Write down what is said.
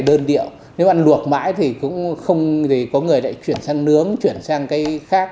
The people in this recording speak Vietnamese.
đơn điệu nếu ăn luộc mãi thì cũng không gì có người lại chuyển sang nướng chuyển sang cái khác